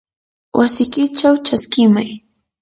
wasikichaw chaskimay.